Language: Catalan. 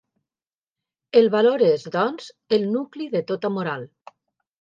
El valor és, doncs, el nucli de tota moral.